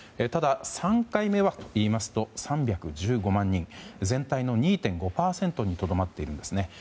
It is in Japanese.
ただ３回目はといいますと３１５万人全体の２．５％にとどまっているんです。